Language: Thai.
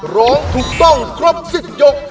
ร้องถูกต้องครบสิทธิ์ยก